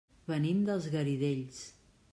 Venim dels Garidells.